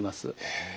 へえ。